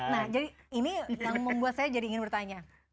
nah jadi ini yang membuat saya jadi ingin bertanya